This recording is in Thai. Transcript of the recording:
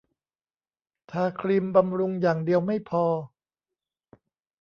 ทาครีมบำรุงอย่างเดียวไม่พอ